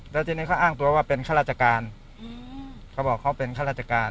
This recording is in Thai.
แล้วทีนี้เขาอ้างตัวว่าเป็นข้าราชการเขาบอกเขาเป็นข้าราชการ